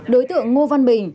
đối tượng ngô văn bình